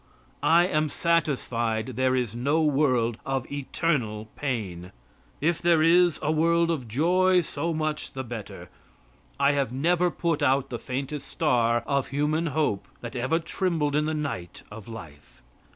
I am satisfied there is no world of eternal pain. If there is a world of joy, so much the better. I have never put out the faintest star of human hope that ever trembled in the night of life.